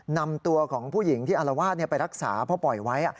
นำตัวของผู้หญิงที่อารวาสไปรักษาเพราะปล่อยไว้